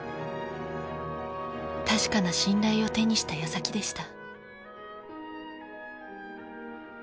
確かな信頼を手にしたやさきでした。